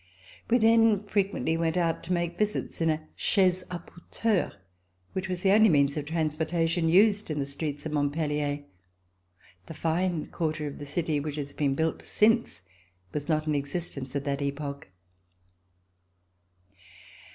We then frequently went out to make visits in a chaise a porteurs, which was the only means of trans portation used in the streets of Montpellier. The fine quarter of the city, which has been built since, was not in existence at that epoch.